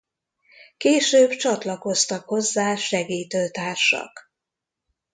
Később csatlakoztak hozzá segítőtársak.